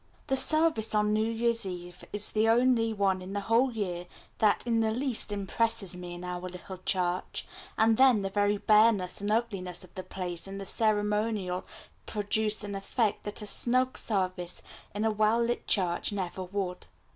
The service on New Year's Eve is the only one in the whole year that in the least impresses me in our little church, and then the very bareness and ugliness of the place and the ceremonial produce an effect that a snug service in a well lit church never would.